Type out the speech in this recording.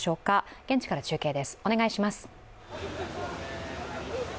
現地から中継です。